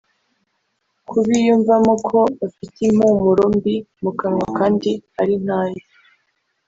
Ku biyumvamo ko bafite impumuro mbi mu kanwa kandi ari ntayo